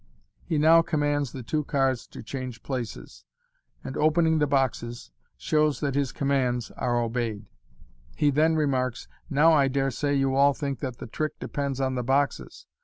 He now commands the two cards to change places, and, opening the boxes, shows that his commands are obeyed. He then remarks, " Now, I dare say you all think that the trick depends on the boxes.